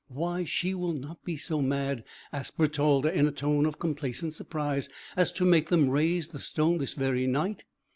"Why, she will not be so mad," asked Bertalda in a tone of complacent surprise, "as to make them raise the stone this very night?"